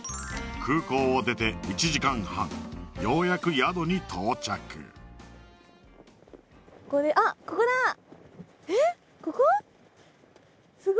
空港を出て１時間半ようやく宿に到着えっここ？